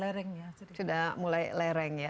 lereng ya jadi sudah mulai lereng ya